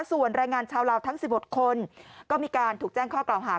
ส่วนแรงงานชาวลาวทั้ง๑๖คนก็มีการถูกแจ้งข้อกล่าวหา